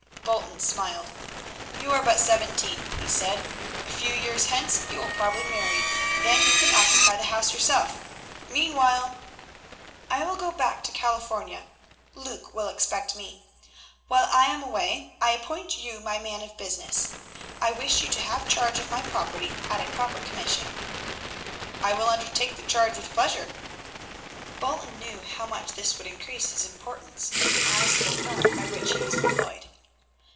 Bolton smiled. "You are but seventeen," he said. "A few years hence you will probably marry. Then you can occupy the house yourself. Meanwhile " "I will go back to California. Luke will expect me. While I am away I appoint you my man of business. I wish you to have charge of my property at a proper commission." "I will undertake the charge with pleasure." Bolton knew how much this would increase his importance in the eyes of the firm by which he was employed.